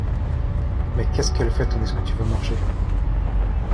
Mais qu'est-ce qu'elle fait tandis que tu vas au marché ?